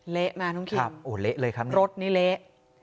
เละมาทุ่งเขียนโอ้เละเลยครับรถนี้เละ